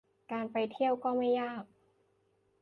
การไปเที่ยวก็ไม่ยาก